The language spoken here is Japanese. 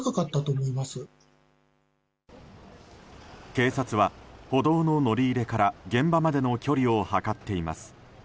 警察は歩道の乗り入れから現場までの距離を測っています。